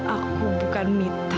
aku bukan minta